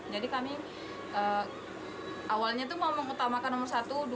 jadi kami awalnya mau mengutamakan nomor satu dua tiga